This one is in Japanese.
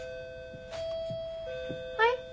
はい？